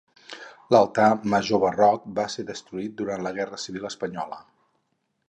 L'altar major barroc va ser destruït durant la Guerra Civil espanyola.